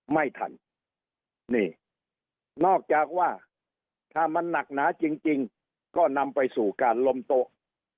ไม่ทันนี่นอกจากว่าถ้ามันหนักหนาจริงก็นำไปสู่การล้มโต๊ะ